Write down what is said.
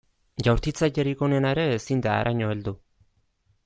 Jaurtitzailerik onena ere ezin da haraino heldu.